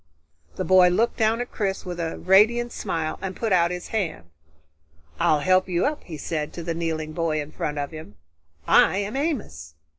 The boy looked down at Chris with a radiant smile and put out his hand. "I'll help you up," he said to the kneeling boy in front of him. "I am Amos."